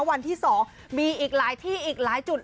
วันที่๒มีอีกหลายที่อีกหลายจุด